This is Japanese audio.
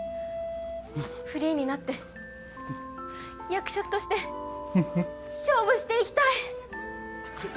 フリーになって役者として勝負していきたい」。